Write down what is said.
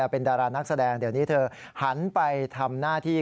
เป็นดารานักแสดงเดี๋ยวนี้เธอหันไปทำหน้าที่